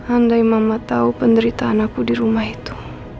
andai mama tahu penderitaan aku di rumah itu